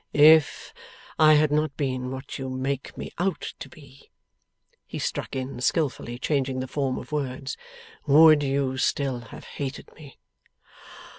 'If I had not been what you make me out to be,' he struck in, skilfully changing the form of words, 'would you still have hated me?